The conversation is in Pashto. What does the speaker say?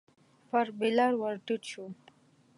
پر بېلر ور ټيټ شو.